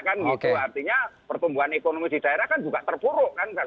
artinya pertumbuhan ekonomi di daerah kan juga terpuruk kan